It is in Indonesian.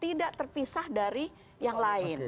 tidak terpisah dari yang lain